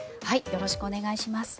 よろしくお願いします。